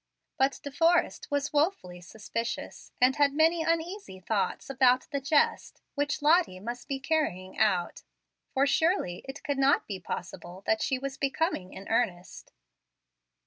But De Forrest was wofully suspicious, and had many uneasy thoughts about the "jest" which Lottie must be carrying out; for surely it could not be possible that she was becoming in earnest.